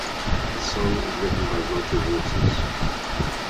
The song is written by Roger Waters.